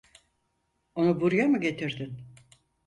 Onu buraya mı getirdin?